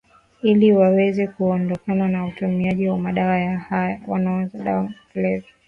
ili waweze kuondokana na utumiaji wa madawa na hawa wanaouza madawa ya kulevya